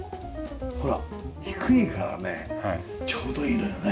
低いからねちょうどいいのよね。